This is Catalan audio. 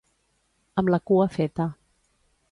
Amb la cua feta.